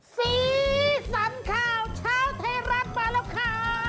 สีสันข่าวเช้าไทยรัฐมาแล้วค่ะ